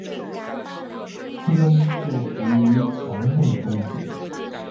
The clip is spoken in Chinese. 初中就读于强恕中学。